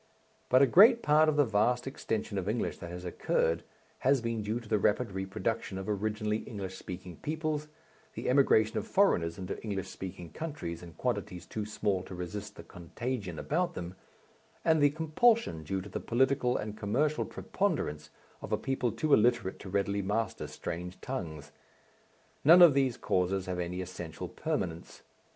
But a great part of the vast extension of English that has occurred has been due to the rapid reproduction of originally English speaking peoples, the emigration of foreigners into English speaking countries in quantities too small to resist the contagion about them, and the compulsion due to the political and commercial preponderance of a people too illiterate to readily master strange tongues. None of these causes have any essential permanence.